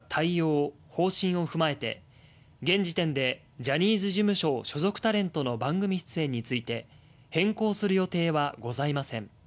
なお日本テレビは、会見で示された対応、方針を踏まえて現時点でジャニーズ事務所所属タレントの番組出演について、変更する予定はございません。